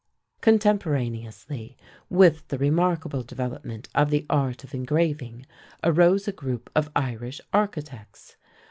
Contemporaneously with the remarkable development of the art of engraving arose a group of Irish architects.